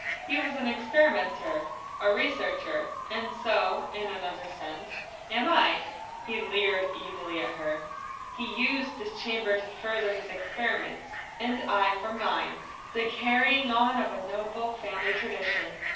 He was an experimenter, a researcher, and so, in another sense, am I!" He leered evilly at her. "He used this chamber to further his experiments, and I for mine the carrying on of a noble family tradition!"